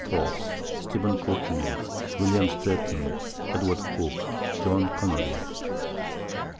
Pope, Steph. Courtney, William Stretton, Edw. Cooke, John Connely.